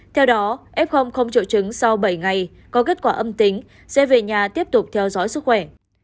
theo đó f không triệu chứng sau bảy ngày có kết quả âm tính sẽ về nhà tiếp tục theo dõi sức khỏe